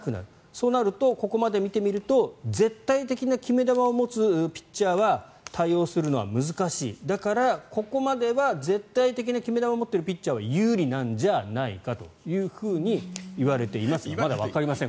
そうなると、ここまで見てみると絶対的な決め球を持つピッチャーは対応するのは難しいだからここまでは絶対的な決め球を持っているピッチャーは有利なんじゃないかというふうにいわれていますがまだわかりません